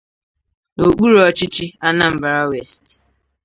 n'okpuru ọchịchị Anambra West